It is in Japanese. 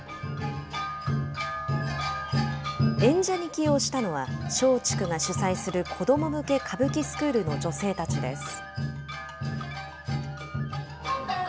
演者に起用したのは、松竹が主宰する子ども向け歌舞伎スクールの女性たちです。